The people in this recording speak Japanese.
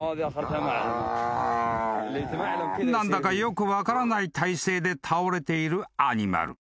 ［何だかよく分からない体勢で倒れているアニマル］